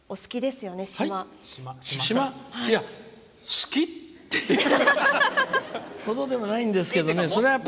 好きっていうほどでもないんですけどね。